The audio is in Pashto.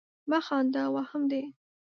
مه خانده ! وهم دي.